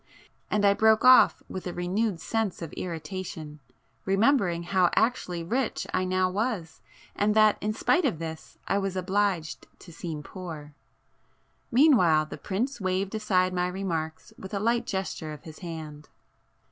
And I broke off with a renewed sense of irritation, remembering how actually rich I now was, and that in spite of this, I was obliged to seem poor. Meanwhile the prince waived aside my remarks with a light gesture of his hand.